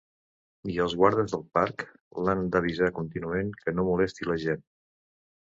I els guardes del parc l'han d'avisar contínuament que no molesti la gent.